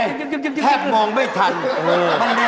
เป็นอย่างไรแคบมองไม่ทันวันนี้มันเร็วมาก